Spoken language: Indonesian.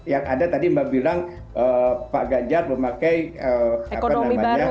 yang ada tadi mbak bilang pak ganjar memakai apa namanya